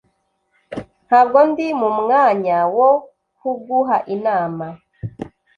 Ntabwo ndi mu mwanya wo kuguha inama.